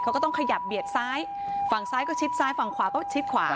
เขาก็ต้องขยับเบียดซ้ายฝั่งซ้ายก็ชิดซ้ายฝั่งขวาก็ชิดขวา